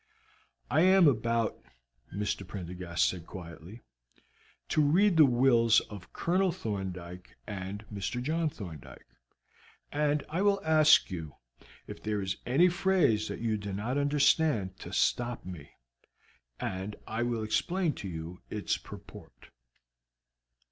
"I am about," Mr. Prendergast said quietly, "to read the wills of Colonel Thorndyke and Mr. John Thorndyke, and I will ask you, if there is any phrase that you do not understand, to stop me, and I will explain to you its purport."